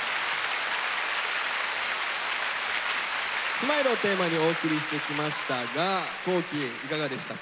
「ＳＭＩＬＥ」をテーマにお送りしてきましたが皇輝いかがでしたか？